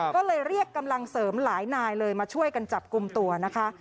ก็เลยเรียกกำลังเสริมหลายนายเลยมาช่วยกันจับกลุ่มตัวนะคะ